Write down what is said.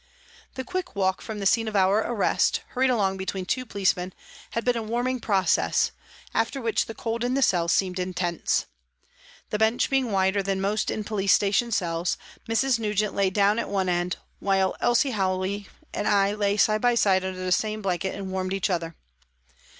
The quick walk from the scene of our arrest, hurried along between two policemen, had been a warming process, after which the cold in the cell seemed intense. The bench being wider than most in police station cells, Mrs. Nugent lay down at one end, while Elsie Howey and I lay side by side under the same blanket and warmed each other.